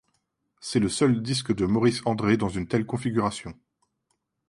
C'est le seul disque de Maurice André dans une telle configuration.